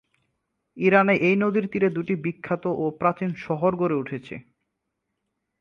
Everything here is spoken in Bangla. ইরানে এই নদীর তীরে দুটি বিখ্যাত ও প্রাচীন শহর গড়ে উঠেছে।